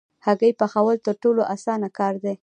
هګۍ پخول تر ټولو اسانه کار دی.